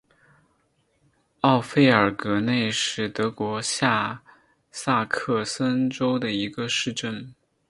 奥费尔格内是德国下萨克森州的一个市镇。